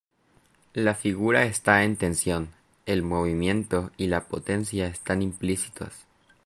La figura está en tensión, el movimiento y la potencia están implícitos.